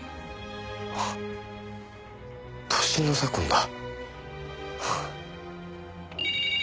あっ歳の差婚だ。